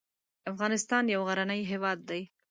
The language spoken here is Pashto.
افغانستان یو غرنی هیواد دی